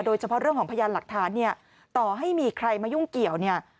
โดยเฉพาะเรื่องของพยานหลักฐานเนี่ยต่อให้มีใครมายุ่งเกี่ยวเนี่ย